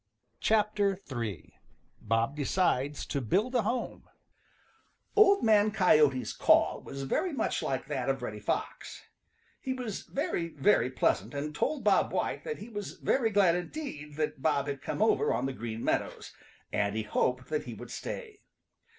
III. BOB DECIDES TO BUILD A HOME |OLD Man Coyote's call was very much like that of Reddy Fox. He was very, very pleasant and told Bob White that he was very glad indeed that Bob had come over on the Green Meadows, and he hoped that he would stay.